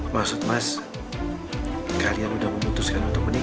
maksud mas kalian udah memutuskan untuk menikah